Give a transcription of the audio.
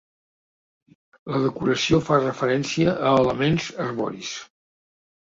La decoració fa referència a elements arboris.